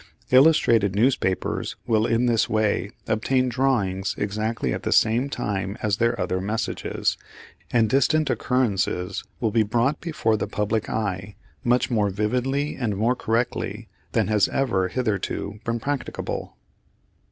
Illustrated newspapers will in this way obtain drawings exactly at the same time as their other messages, and distant occurrences will be brought before the public eye much more vividly and more correctly than has ever hitherto been practicable.